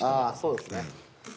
ああそうですね。